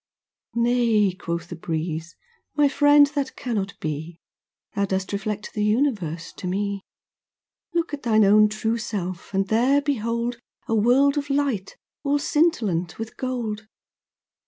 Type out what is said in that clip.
'Nay,' quoth the breeze, 'my friend, that cannot be. Thou dost reflect the Universe to me. Look at thine own true self, and there behold A world of light, all scintillant with gold.